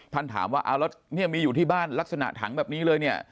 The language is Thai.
ท่านถามว่านี่มีอยู่ที่บ้านลักษณะถังแบบนี้เลย